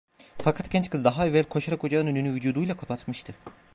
Fakat genç kız daha evvel koşarak ocağın önünü vücuduyla kapatmıştı.